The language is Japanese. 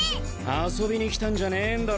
遊びに来たんじゃねえんだろ？